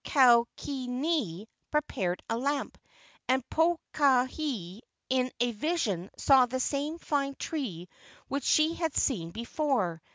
Kaukini prepared a lamp, and Pokahi in a vision saw the same fine tree which she had seen before.